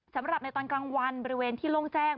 สำหรับในตอนกลางวันบริเวณที่โล่งแจ้ง